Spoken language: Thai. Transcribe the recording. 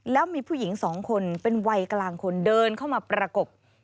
แล้วมีผู้หญิงสองคนเป็นวัยกลางคนเดินเข้ามาประกบ